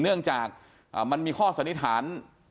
เนื่องจากมันมีข้อสันนิษฐาน